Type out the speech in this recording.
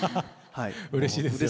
うれしいですよね。